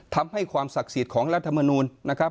ทำให้ความศักดิ์สิทธิ์ของรัฐมนูลนะครับ